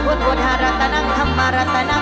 ไม่ขายหน้าเหี้ยก่อน